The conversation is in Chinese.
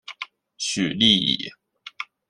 许力以。